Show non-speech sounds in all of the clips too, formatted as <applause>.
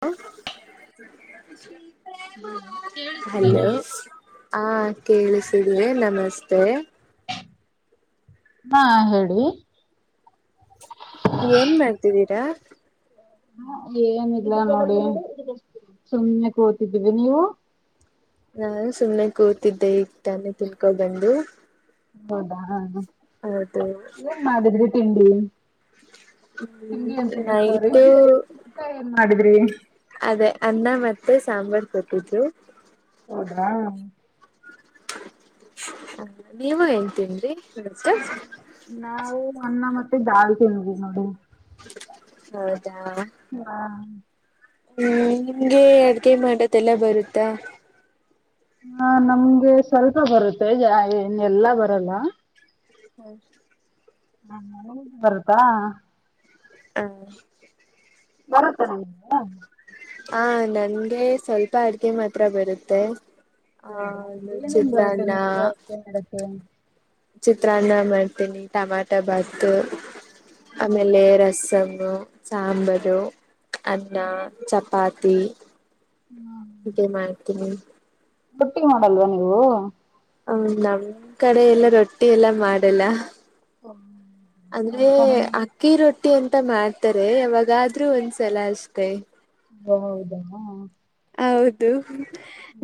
<unintelligible> E ಪ್ರೇಮ. Hello ಹ ಕೇಳುಸ್ತಿದೆ ನಮಸ್ತೆ. ಹಾ ಹೇಳಿ. ಏನ್ ಮಾಡ್ತಿದ್ದೀರಾ. ಏನಿಲ್ಲ ನೋಡಿ ಸುಮ್ಮ್ನೆ ಕೂತಿದ್ದೀವಿ ನೀವು. ನಾನು ಸುಮ್ನೆ ಕೂತಿದ್ದೆ ಈಗ್ ತಾನೆ ತಿನ್ಕೊ ಬಂದು. ಹೌದಾ ಹಾ ಹೌದು ಏನ್ ಮಾಡಿದ್ರಿ ತಿಂಡಿ. ತಿಂಡಿ ಅಂತೀನಿ ಸೊರಿ ನೈಟು ಊಟ ಏನ್ ಮಾಡಿದ್ರಿ. ಅದೇ ಅನ್ನ ಮತ್ತೆ ಸಾಂಬಾರ್ ಕೊಟ್ಟಿದ್ರು. ಹೌದಾ ಹ ನೀವು ಏನ್ ತಿಂದ್ರಿ <unintelligible> ನಾವು ಅನ್ನ ಮತ್ತೆ ದಾಲ್ ತಿನ್ವಿ ನೋಡಿ. ಹೈ ವಾ ಹ್ಮ್ ನಿಮ್ಗೆ ಅಡ್ಗೆ ಮಾಡೋದೆಲ್ಲ ಬರುತ್ತ. ಹಾ ನಮ್ಗೆ ಸ್ವಲ್ಪ ಬರುತ್ತೆ ಜಾ ಯ ಏನ್ ಎಲ್ಲಾ ಬರಲ್ಲ. ಹ ಹಾ ನಮಿಗ್ ಬರುತ್ತ. ಹ ಬರುತ್ತ ನಿಮ್ಗೆ. ಹ ನನ್ಗೆ ಸ್ವಲ್ಪ ಅಡ್ಗೆ ಮಾತ್ರ ಬರುತ್ತೆ. ಹಾ ಹೌದಾ ಏನೇನ್ ಬರುತ್ತೆ ಚಿತ್ರಾನ್ನ. ನಿಮ್ಗೆ ಅಡ್ಗೆ ಮಾಡಕ್ಕೆ ಚಿತ್ರಾನ್ನ ಮಾಡ್ತೀನಿ ಟಮಾಟ ಬಾತು. ಆಮೇಲೆ ರಸಮ ಸಾಂಬಾರು ಅನ್ನ ಚಪಾತಿ ತಿ ಇದೇ ಮಾಡ್ತೀನಿ ರೊಟ್ಟಿ ಮಾಡಲ್ವಾ ನೀವು ಹ ನಮ್ ಕಡೆ ಎಲ್ಲ ರೊಟ್ಟಿ ಎಲ್ಲಾ ಮಾಡಲ್ಲ ಓ, ನಮ್ ಅಂದ್ರೆ ಕಡೆನೂ ಅಕ್ಕಿ ರೊ ಟ್ಟಿ ಅಂತ ಮಾಡ್ತಾರೆ ಯವಾಗಾದ್ರೂ ಒಂದ್ಸಲ ಅಷ್ಟೆ ಹೌದಾ ಹೌದು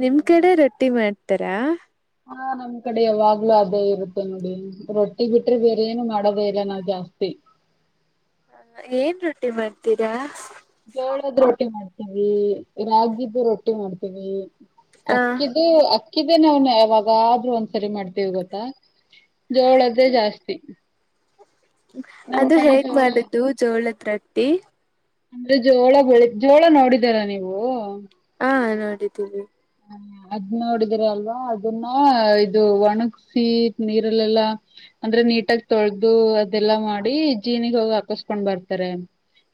ನಿಮ್ ಕಡೆ ರೊಟ್ಟಿ ಮಾಡ್ತಾರಾ ಹಾ ನಮ್ ಕಡೆ ಯಾವಾಗ್ಲೂ ಅದೇ ಇರುತ್ತೆ ನೋಡಿ ರೊಟ್ಟಿ ಬಿಟ್ರೆ ಬೇರೆ ಏನು ಮಾಡೋದೇ ಇಲ್ಲ ನಾವ್ ಜಾ ಸ್ತಿ ಹ ಏನ್ ರೊಟ್ಟಿ ಮಾಡ್ತೀರಾ ಜೋಳದ ರೊಟ್ಟಿ ಮಾಡ್ತೀವಿ ರಾಗಿದು ರೊಟ್ಟಿ ಮಾಡ್ತೀವಿ ಹ ಅಕ್ಕಿದು ಅಕ್ಕಿದೇ ನಾವ್ ಯಾವಾಗಾದ್ರೂ ಒಂದ್ಸರಿ ಮಾಡ್ತಿವಿ ಗೊತ್ತಾ ಜೋಳದ್ದೆ ಜಾಸ್ತಿ ನಮ್ ಅದು ಕಡೆ ಹೇಗ್ ಜೋಳ ಮಾಡದು ಜೋಳದ್ರತ್ತಿ ಅಂದ್ರೆ ಜೋಳ ಬೆಳಿ ಜೋಳ ನೋಡಿದಿರ ನೀವು ಹಾ ನೋಡಿದ್ದಿವಿ ಹ ಅದ್ ನೋಡಿದ್ರ ಅಲ್ವಾ ಅದನ್ನ ಇದು ಒಣಗ್ಸಿ ನೀರಲ್ಲೆಲ್ಲಾ ಅಂದ್ರೆ ನೀಟಾಗಿ ತೊಳ್ದು ಅದೆಲ್ಲಾ ಮಾಡಿ ಜೀನಿಗೆ ಹೋಗಿ ಹಾಕಿಸ್ಕೊಂಡ್ ಬರ್ತಾರೆ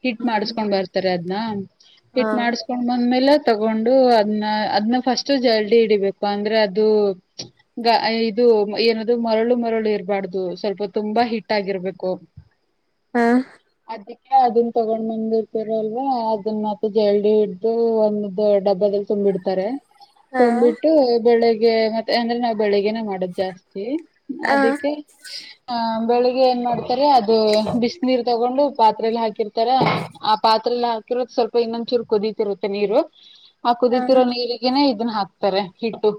ಹಿಟ್ ಮಾಡುಸ್ಕೊಂಡ್ ಬರ್ತಾರೆ ಅದ್ನ ಹಾ ಹಿಟ್ ಮಾಡುಸ್ಕೊಂಡ್ ಬಂದ್ಮೇಲೆ ತಗೊಂಡು ಅದ್ನ್ ಅದ್ನ್ ಫಸ್ಟ್ ಜಲ್ದಿ ಹಿಡಿಬೇಕು ಅಂದ್ರೆ ಅದು ಗ ಇದು ಏನದು ಮರಳು ಮರಳು ಇರ್ ಬಾರ್ದು ಸ್ವಲ್ಪ ತುಂಬಾ ಹಿಟ್ ಆಗಿರ್ಬೇಕು ಹ ಅದಿಕ್ಕೆ ಅದುನ್ ತಗೊಂಡ್ ಬಂದಿರ್ತರಲ್ವಾ ಅದನ್ನ ಮತ್ತ ಜಲ್ಡಿ ಹಿಡ್ದು ಒಂದು ಡಬ್ಬದ ತುಂಬಿಡ್ತಾರೆ ಹಾ ತುಂಬಿಟ್ಟು ಬೆಳಗ್ಗೆ ಮತ್ತೆ ಅಂದ್ರೆ ನಾ ಬೆಳಿಗ್ಗೆ ಗೆನೆ ಮಾಡದು ಜಾಸ್ತಿ ಹ ಅದಕ್ಕೆ ಬೆಳಿಗ್ಗೆ ಏನ್ ಮಾಡ್ತಾರೆ ಅದು ಬಿಸ ನೀರ್ ತಗೊಂಡು ಪಾತ್ರೆಯಲ್ಲಿ ಹಾಕಿರ್ತಾರೆ ಆ ಪಾತ್ರೆಯಲ್ಲಿ ಹಾಕಿರೋದ ಸ್ವಲ್ಪ ಇನ್ನೊಂದ್ಚೂರು ಕುದೀತಿರುತ್ತೆ ನೀರು ಹಾ ಕುದಿತಿರೋ ನೀರಿಗೆನೆೇ ಇದನ್ನ ಹಾಕ್ತಾರೆ ಹಿಟ್ಟು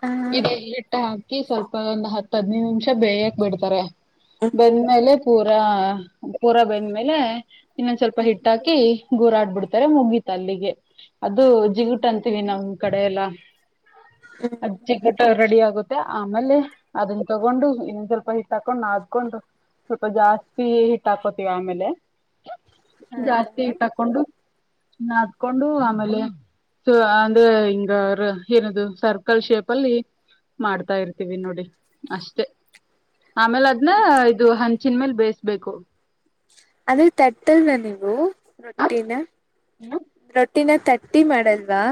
ಹ ಇದೆ ಹಿಟ್ಟ ಹಾ ಕಿ ಸ್ವಲ್ಪ ಒಂದು ಹತ್ತ ಹದ್ನದು ನಿಮಿಷ ಬೇಯಕ್ ಬಿಡ್ತಾರೆ ಬಂದ್ಮೇಲೆ ಪೂರ್ತಿ ರ ಪೂರ ಬೆಂದ್ಮೇಲೆ ಇನ್ನೊಂದ ಸ್ವಲ್ಪ ಹಿಟ್ಟ ಹಾಕಿ ಗೂರಾಡ್ಬಿಡ್ತಾರೆ ಮುಗೀತ ಅಲ್ಲಿಗೆ ಅದು ಜಿಗಟ್ಂತ ಕಡೆ ಎಲ್ಲ ಆಚಿಕಟಾಗಿ ರೆಡಿ ಆಗುತ್ತೆ ತ್ತ ಆಮೇಲೆ ಅದನ್ನ ತಗೊಂಡು ಇನ್ನೊಂದ್ ಸ್ವಲ್ಪ ಹಿಟ್ ಹಾಕೊಂಡ್ ನಾದಿಕೊಂಡು ಸ್ವಲ್ಪ ಜಾಸ್ತಿ ಹಿಟ್ ಹಾಕೋತಿವಿ ಆಮೇಲೆ ಹೌದಾ ಜಾಸ್ತಿ ಹಿಟ್ ಹಾಕೊಂಡು ನದ್ಕೊಂಡು ಆಮೇಲೆ ಸೊ ಅಂಗ ಹಿಂಗ ಅವ್ರ ಏನದು ಸರ್ಕಲ್ ಶೇಪ್ ಅಲ್ಲಿ ಮಾಡ್ತಾ ಇರ್ತೀವಿ ನೋಡಿ ಅಷ್ಟೆ ಆಮೇಲೆ ಅದ್ನ್ ಇದು ಹಂಚಿನ ಮೇಲ್ ಬೇಯಿಸಬೇಕು ಅದೇ ತಟ್ಟಲ್ವ ನೀವು ರೊಟ್ಟಿನ ಇಲ್ಲ ಹಟ್ಟಿನ ತಟ್ಟಿ ಮಾಡಲ್ವಾ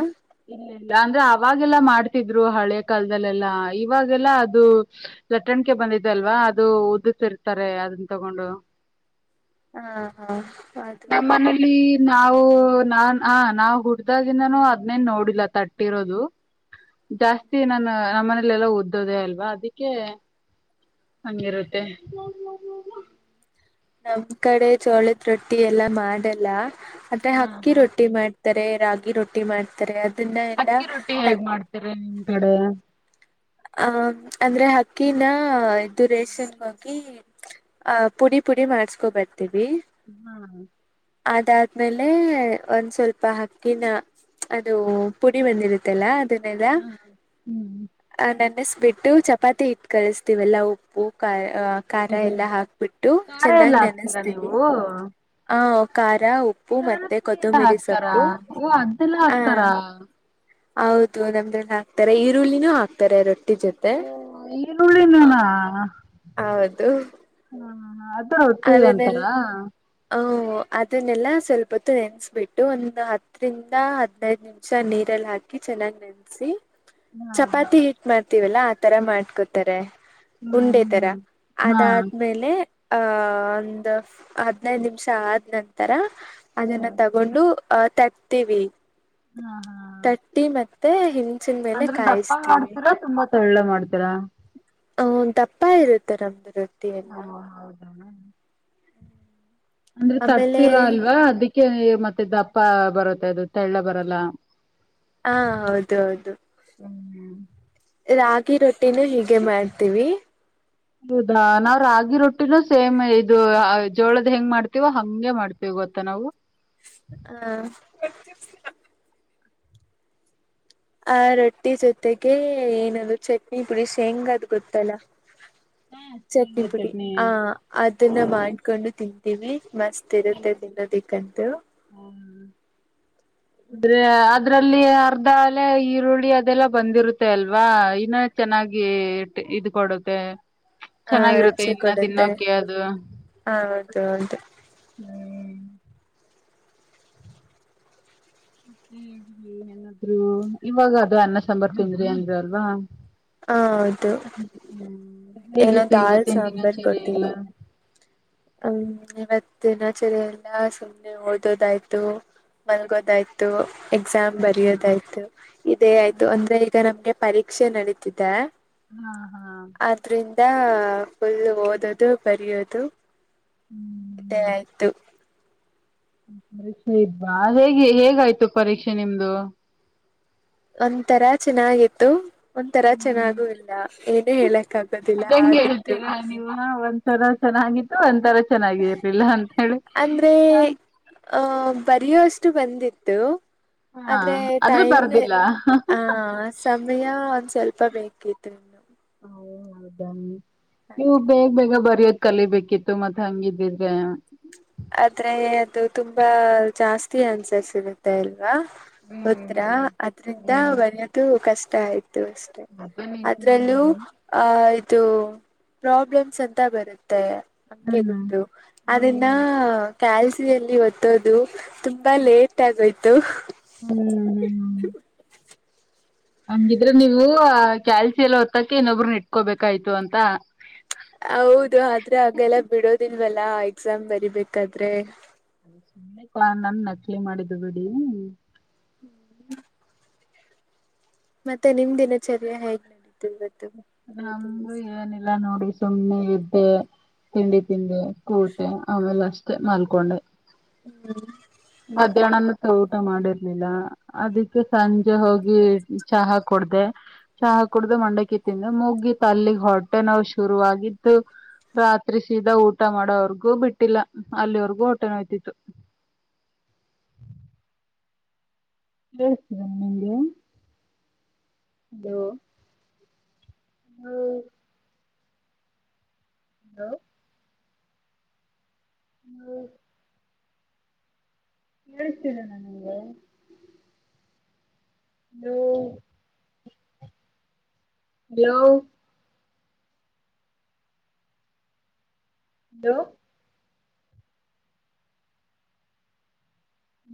ಇ ಇಲ್ಲ ಅಂದ್ರೆ ಅವಾಗೆಲ್ಲಾ ಮಾಡ್ತಿದ್ರು ಹಳೆ ಕಾಲದಲ್ಲೆಲ್ಲಾ ಇವಾಗೆಲ್ಲಾ ಅದು ಲಟ್ಟಣ ನಕ ಬಂದಿದ್ದ ಅಲ್ವಾ ಅದು ಉದ್ದಸರ್ತಾರೆ ಅದನ್ನ ತಗೊಂಡು ಹಾ ಹಾ ಅದು ನ ಮನಲಿ ನಾವು ನಾನ್ ಆ ನಾವು ಹುಡ್ದಾಗಿ ನಾನು ಅದ್ನೇನ್ ನೋಡಿಲ್ಲ ತಟ್ಟಿರೋದು ಜಾಸ್ತಿ ನಾನು ನಮ್ಮ ಮನೇಲೆ ಎಲ್ಲ ಓದ್ದೋದೇ ಅಲ್ವಾ ಅದಕ್ಕೆ ಹಂಗಿರುತ್ತೆ ನಮ್ ಕಡೆ ಜೋಳದ ರೊಟ್ಟಿ ಎಲ್ಲಾ ಮಾಡಲ್ಲ ಮತ್ತೆ ಅಕ್ಕಿ ರೊಟ್ಟಿ ಮಾಡ ರೆ ರಾಗಿ ರೊಟ್ಟಿ ಮಾಡ್ತಾರೆ ಅದನ್ನ ಎಲ್ಲಾ ಅಕ್ಕಿ ರೊಟ್ಟಿ ತಟ್ ಹೇಗ್ ಮಾಡ್ತಿರಿ ನಿಮ್ ಕಡೆ ಹ ಅಂದ್ರೆ ಅಕ್ಕಿನ ಇದು ರೇಷನಗ ಹಾಕಿ ಆ ಪುಡಿ ಪುಡಿ ಮಾಡ್ಸ್ಕೊಬ ಹ್ಮ ಹ ಅದಾದ್ಮೇಲೆ ಒಂದ್ ಸ್ವಲ್ಪ ಅಕ್ಕಿನ ಅದು ಪುಡಿ ಬಂದಿರುತ್ತಲ್ಲಾ ಹಾ ಹ್ಮ್ ನೆನೆಸಬಿಟ್ಟು ಚಪಾತಿ ಇಟ್ಟ ಕಲಿಸ್ತಿವಲ್ಲಾ ಉಪ್ಪು ಕಾ ಹ ಖಾರ ಅದೇ ಎಲ್ಲಾ ಹಾಕ್ಬಿಟ್ಟು ಖಾರ ಎಲ್ಲ ಚೆನ್ನಾಗ್ ಹಾಕ್ತೀರಾ ನೆನೆಸ್ತೀವಿ ನೀವು ಹಾ ಖಾರ ಉಪ್ಪು ಖಾರದ ಮತ್ತೆ ಪುಡಿ ಎಲ್ಲ ಕೊತ್ತಂಬರಿ ಹಾಕ್ತಾರ ಸೊಪ್ಪು ಓ ಅದೆಲ್ಲ ಹ ಹಾಕ್ತಾರ ಹೌದು ನಮ್ಮದ್ರಲಿ ಹಾಕ್ತಾರೆ ಈರುಳ್ಳಿನೂ ಹಾಕ್ತಾರೆ ರೊಟ್ಟಿ ಜೊತೆ ಈರುಳ್ಳಿ ನೊನಾ ಹೌದು ಹ ಅದು ರೊಟ್ಟಿ ಅದನ್ನೆಲ್ಲ ಅಂತಾರಾ ಹ ಅದನ್ನೆಲ್ಲ ಸ್ವಲ್ಪ ಹೊತ್ತು ನೆನೆಸ್ಬಿಟ್ಟು ಒಂದು ಹತ್ತರಿಂದ ಹದ್ನೈದ ನಿಮಿಷ ನೀರಲ್ಲ ಹಾಕಿ ಚೆನ್ನಾಗ ನೆನ್ಸಿ ಹಾ ಚಪಾತಿ ಹಿಟ್ ಮಾಡ್ತಿವಲ್ಲಾ ಆತರ ಮಾಡ್ಕೋತಾರೆ ಹ್ಮ್ ಉಂಡೆ ತರ ಹ್ಮ್ ಹಾ ಅದಾದ್ಮೇಲೆ ಹ ಒಂದ ಅ ಹದನೈದ ನಿಮಿಷ ಆದ ನಂತರ ಹಾ ಅದನ್ನ ತಗೊಂಡು ಹ ತಟ್ತೀವಿ ಹಾ ಹಾ ತಟ್ಟಿ ಮತ್ತೆ ಹ ಅಂದ್ರೆ ದಪ್ಪ ಮಾಡ್ತೀರಾ ತುಂಬಾ ತೆಳ್ಳ ಮಾಡ್ತೀರಾ ಹ ದಪ್ಪ ಇರುತ್ತೆ ರೂಟ್ಟಿ ಓ ಹೌದಾ ಅಂದ್ರೆ ಆಮೇಲೆ ತಟ್ತೀರಾ ಅಲ್ವಾ ಅದಕ್ಕೆ ಮತ್ತೆ ದಪ್ಪ ಬರುತ್ತೆ ಅದು ತೆಳ್ಳ ಬರಲ್ಲ ಹಾ ಹೌದು ಹೌದು ರಾಗಿ ರೊಟ್ಟಿನು ಹೀಗೆ ಮಾಡ್ತೀವಿ ಹೌದಾ ನಾವ್ ರಾಗಿ ರೊಟ್ಟಿನೂ ಸೇಮ್ ಇದು ಜೋಳದ್ ಹೆಂಗ್ ಮಾಡ್ತೀವ ಹಂಗೆ ಮಾಡ್ತಿವ ಗೊತ್ತಾ ನಾವು ಹಾ ಆ ರೊಟ್ಟಿ ಜೊತೆಗೆ ಏನದು ಚಟ್ನಿ ಪುಡಿ ಶೆಂಗದು ಗೊತ್ತಲ್ಲ ಚೆಟ್ನಿ ಹೆಂಗೆ ಪುಡಿ ಚಟ್ನಿ ಹ ಅದನ್ನ ಮಾಡ್ಕೊಂಡು ತಿಂತೀವಿ ಮಸ್ತ್ ಇರುತ್ತೆ ತಿನದಿಕ್ಕಂತು ಅಂದ್ರೆ ಅದ್ರಲ್ಲಿ ಅರ್ಧ ಅಲೆ ಈರುಳ್ಳಿ ಅದೆಲ್ಲ ಬಂದಿರುತ್ತೆ ಅಲ್ವಾ ಇನ್ನ ಚೆನ್ನಾಗಿ ಇದ ಕೊಡುತ್ತೆ ಆ ಚೆನ್ನಾಗಿರುತ್ತೆ ರುಚಿ ಇನ್ನ ಕೊಡುತ್ತೆ ತಿನ್ನೋಕೆ ಅದು ಹ ಹೌದು ಹೌದು ಹ್ಮ್ ಏನಾದ್ರು ಇವಾಗ ಅದು ಅನ್ನ ಸಾಂಬಾರ ತಿಂದ್ರಿ ಅಂದ್ರಿ ಅಲ್ವಾ ಹ ಹೌದು ಏನೋ ಹೇಗಿತ್ತು ದಾಲ್ ಇವತ್ತಿನ ಸಾಂಬಾರ್ ದಿನಚರಿ ಎಲ್ಲ ಕೊಟ್ಟಿದ್ರು ಹ್ಮ್ ಇವತ್ತ ದಿನಾಚರಿ ಎಲ್ಲ ಸುಮ್ಮ್ನೆ ಓದೋದಾಯ್ತು ಮಲ್ಗೋದಾಯ್ತು ಎಕ್ಸಾಮ್ ಬರಯೋದಾಯ್ತು ಇದೇ ಆಯ್ತು ಅಂದ್ರೆ ಈಗ ನಮ್ಗೆ ಪರೀಕ್ಷೆ ನಡೀತಿದೆ ಹಾ ಹಾ ದಿನಾ ಫುಲ್ ಓದದು ಬರಿಯೋದು ಇದೇ ಹ್ಮ್ ಆಯ್ತು ಪರೀಕ್ಷೆ ಇದವಾ ಹ ಹೇಗೆ ಹೇಗಾಯ್ತು ಪರೀಕ್ಷೆ ನಿಮ್ದು ಒಂತರಾ ಚೆನ್ನಾಗಿತ್ತು ಒ ತರ ಚೆನ್ನಾಗೂ ಇಲ್ಲ ಏನೇ ಹೇಳಕ್ ಆಗೋದಿಲ್ಲ ಹಾಗಿತ್ತು ರ ಚೆನ್ನಾಗಿತ್ತು ಒಂತರ ಚೆನ್ನಾಗಿರ್ಲಿಲ್ಲ ಅಂತ ಹೇಳಿ ಆಹ್ ಬರೆಯುವಷ್ಟು ಬಂದಿತ್ತು ಹಾ ಆದ್ರೆ ಆದ್ರೆ ಟೈಮ್ ಬರ್ದಿಲ್ಲ ಹ ಸಮಯ ಸ್ವಲ್ಪ ಬೇಕಿತ್ತು ಇನ್ನು ಹ ಹೌದ ನೀವು ಬೇಗ ಬೇಗ ಬರ್ ಅರಿಯೋತ್ <unintelligible> ಕಲಿಬೇಕಿತ್ತು ಮತ್ತತ್ ಹಂಗಿದ್ದಿದ್ರೆ ಆದ್ರೆ ಅದು ತುಂಬಾ ಜಾಸ್ತಿ ಅನ್ಸರ್ ಸಿಗತ್ತೆ ಇಲ್ಲಿ ವಾ ಹ್ಮ್ ಹದಾ <unintelligible> ಅದ್ರಿಂದ ಹ್ಮ್ ಬರಿಯೋದು ಕಷ್ಟ ಆಯ್ತು ಅಷ್ಟೇ ಹ್ಮ್ ಅದು ನಿಜಾನೆ ಅದ್ರಲ್ಲೂ ಬಿಡಿ ಆಹ ಪ್ರಾಬ್ಲಮ್ಸ್ ಅಂತ ಬರುತ್ತೆ ಹ್ಮ್ ಅಂಕಿಗಳುದ್ದು ಅ ಹ್ಮ್ ಹ್ಮ್ ಕ್ಯಾಲ್ಸಿಯಲ್ಲಿ ಓದತ್ತೋದು ತುಂಬಾ ಲೇಟ್ ಆಗೋಯ್ತು ಹ್ಮ್್ಮ ಹ್ಮ್ ಹಂಗಿದ್ರೆ ನೀವು ಕ್ಯಾಲ್ಸಿ ಎಲ್ಲ ಹೊತ್ತಾಕಿ ಇನ್ನೊಬ್ರ ಇಟ್ಕೋಬೇಕಾಯ್ತು ಅಂತ ಹೌದು ಆದ್ರೆ ಹಾಗೆಲ್ಲ ಬಿಡೋದಿಲ್ವಲ್ಲಾ ಎಕ್ಸಾಮ್ ಬರಿಬೇಕಾದ್ರೆ ಸುಮ್ನೆ ನನ್ ನಕಲಿ ಮಾಡಿದ್ದು ಬಿಡಿ ಹ್ಮ್ ಮತ್ತೆ ನಿಮ ದಿನಚರ್ಯ ಹೇಗ್ ನಡಿ ನಮೂ ಏನಿಲ್ಲ ನೋಡಿ ಸುಮ್ಮ್ನೆ ಇದ್ದೆ ತತಿಂಡಿ ತಿಂದೆ ಕೂತೆ ಆಮೇಲೆ ಅಷ್ಟೇ ಮಲ್ಕೊಂಡೆ ಹ್ಮ್ ಮಧ್ಯಾಹ್ನನ ತ ಊಟ ಮಾಡಿರ್ಲಿಲ್ಲ ಅದಕ್ಕೆ ಸಂಜೆ ಹೋಗಿ ಚಹಾ ಕೊಡ ಕುಡ್ದ ಚಹಾ ಕುಡ್ದು ಮಂಡಕ್ಕಿ ತಿಂದೆ ಮುಗಿ ತಲ್ಲಿಗೆ ಹೊಟೆ ನಾವ್ ಶುರುವ ಆಗಿದ್ದು ರಾತ್ರಿ ಸೀದಾ ಊಟ ಮಾಡೋವರ್ಗೂ ಬಿಟ್ಟಿಲ್ಲ ಅಲ್ಲಿವರ್ಗೂ ಹೊಟೆ ನೋಯ್ತಿತ್ತು ಕತರನೆ <unintelligible> ನಿಮಗೆ ಅಲೋ ಹ್ಮ ಹಲೋ ಹ್ಮ್ ಕೇಳುಸ್ತಾ ಇದಿಯಾ ನಿಮಗೆ ಹಲೋ ಹಲೋ